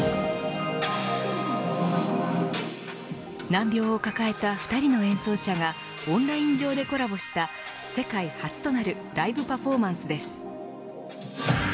難病を抱えた２人の演奏者がオンライン上でコラボした世界初となるライブパフォーマンスです。